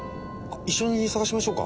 一緒に捜しましょうか？